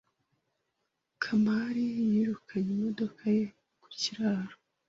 Kamari yirukanye imodoka ye ku kiraro.